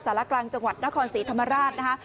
สารกลางจังหวัดนครศรีธรรมราชนะคะ